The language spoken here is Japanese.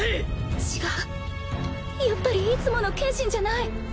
違うやっぱりいつもの剣心じゃない